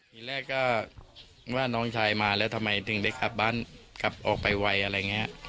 ทีแรกก็ว่าน้องชายมาแล้วทำไมถึงได้กลับบ้านกลับออกไปไวอะไรอย่างนี้